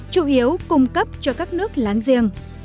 chủ yếu cung cấp cho các nước láng giềng